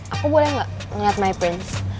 aku boleh gak ngeliat my prince